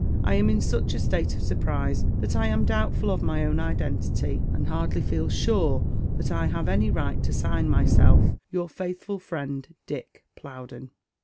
" I am in such a state of surprise that I am doubtful of my ov/n identity, and hardly feel sure that I have any right to sign myself — your faithful friend, Dick Plowden."